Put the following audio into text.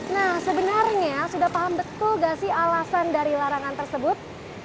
nah sebenarnya sudah paham betul gak sih alasan dari larangan tersebut